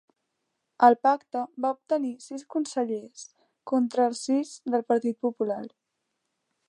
El Pacte va obtenir sis consellers, contra els sis del Partit Popular.